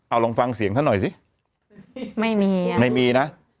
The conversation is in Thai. เอาลองฟังเสียงท่านหน่อยสิไม่มีอ่ะไม่มีนะ